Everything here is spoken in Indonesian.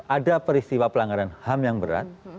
ada peristiwa pelanggaran ham yang berat